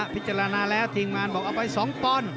พิจารณาแล้วทีมงานบอกเอาไป๒ปอนด์